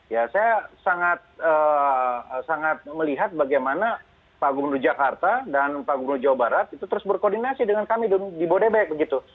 ya saya sangat melihat bagaimana pak gubernur jakarta dan pak gubernur jawa barat itu terus berkoordinasi dengan kami di bodebek begitu